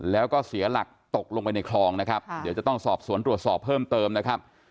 แล้วก็เสียหลักตกลงไปในคลองนะครับเดี๋ยวจะต้องสอบสวนตรวจสอบเพิ่มเติมนะครับ